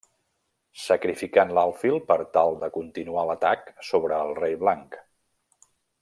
Sacrificant l’alfil per tal de continuar l’atac sobre el rei blanc.